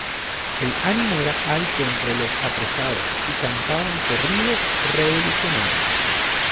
El ánimo era alto entre los apresados y cantaban corridos revolucionarios.